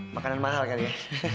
makanan mahal kali ya